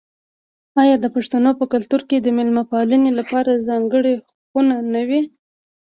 آیا د پښتنو په کلتور کې د میلمه پالنې لپاره ځانګړې خونه نه وي؟